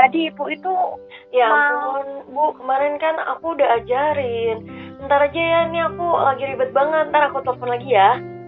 ntar aku telfon lagi ya